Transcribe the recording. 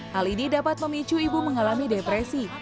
hal ini dapat memicu ibu mengalami depresi